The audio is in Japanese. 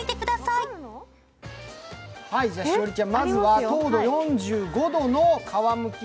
栞里ちゃん、まずは糖度４５度の皮むき